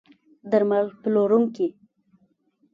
درمل پلورونکي